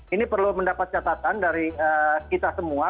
ini perlu mendapat catatan dari kita semua